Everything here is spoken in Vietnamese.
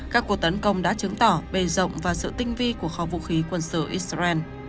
các cuộc tấn công đã chứng tỏ bề rộng và sự tinh vi của kho vũ khí quân sự israel